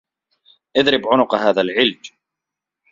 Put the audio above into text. اضْرِبْ عُنُقَ هَذَا الْعِلْجِ